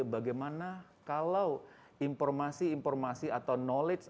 bagaimana kalau informasi informasi atau knowledge